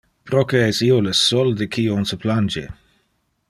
Proque es io le sol de qui on se plange?